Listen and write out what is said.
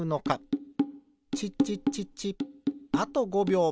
チッチッチッチッあと５びょう。